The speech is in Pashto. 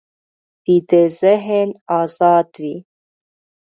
ویده ذهن ازاد وي